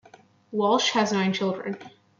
Walsch has nine children.